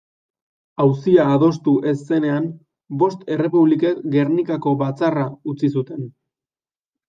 Auzia adostu ez zenean, bost errepublikek Gernikako Batzarra utzi zuten.